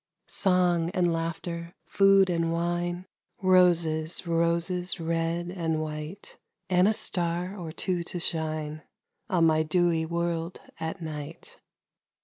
Song and laughter, food and wine, Roses, roses red and white, And a star or two to shine On my dewy world at night.